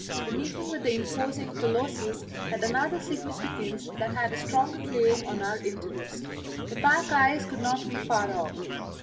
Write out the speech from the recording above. The meeting with the imposing colossus had another significance that had a stronger claim on our interest the pack ice could not be far off.